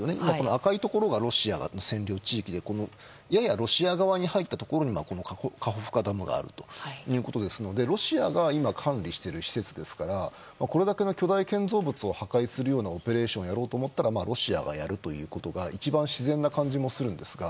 赤いところが今のロシアの占領地域でややロシア側に入ったところにこのカホフカダムがありますのでロシアが今、管理している施設ですからこれだけの巨大建造物を破壊するようなオペレーションをやろうと思ったらロシアがやるということが一番自然な感じもするんですが。